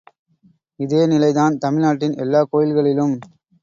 இதேநிலைதான் தமிழ்நாட்டின் எல்லாக் கோயில்களிலும்.